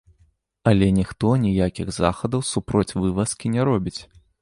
Але ніхто ніякіх захадаў супроць вывазкі не робіць.